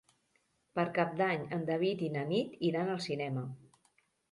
Per Cap d'Any en David i na Nit iran al cinema.